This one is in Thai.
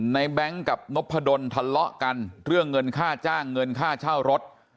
แบงค์กับนพดลทะเลาะกันเรื่องเงินค่าจ้างเงินค่าเช่ารถ